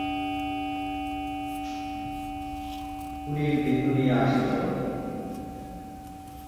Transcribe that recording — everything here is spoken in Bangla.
খুনীর দেহ নিয়ে আসি চল!